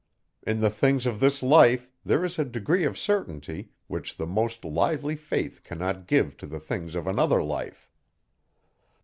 In the things of this life, there is a degree of certainty, which the most lively faith cannot give to the things of another life.